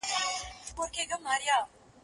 مرسته د زهشوم له خوا کيږي!؟